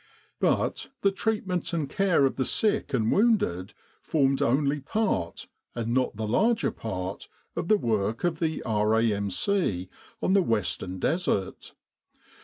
But the treatment and care of the sick and wounded formed only part, and not the larger part, of the work of the R.A.M.C. on the western Desert.